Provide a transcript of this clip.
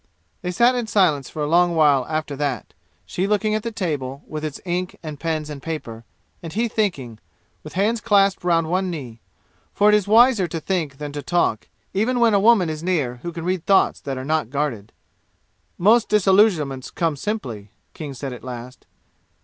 They sat in silence for a long while after that, she looking at the table, with its ink and pens and paper, and he thinking, with hands clasped round one knee; for it is wiser to think than to talk, even when a woman is near who can read thoughts that are not guarded. "Most disillusionments come simply," King said at last.